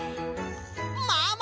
ママ！